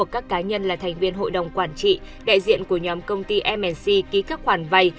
các cá nhân là thành viên hội đồng quản trị đại diện của nhóm công ty mc ký các khoản vay